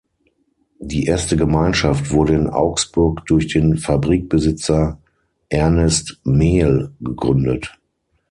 Die erste Gemeinschaft wurde in Augsburg durch den Fabrikbesitzer Ernest Mehl gegründet.